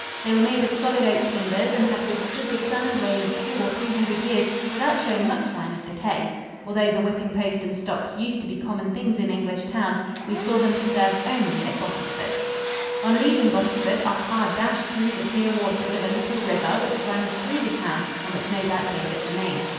They were made of solid oak timbers and had withstood the sun and rain of two or three hundred years without showing much sign of decay. Although the whipping post and stocks used to be common things in English towns, we saw them preserved only at Bottisford. On leaving Bottisford, our car dashed through the clear waters of a little river which runs through the town and which no doubt gave it the name.